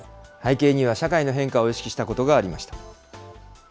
背景には社会の意識を変化したことがありました。